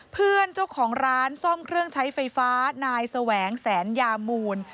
เพื่อนเจ้าของร้านซ่อมเครื่องใช้ไฟฟ้านายแสวงแสนยามูล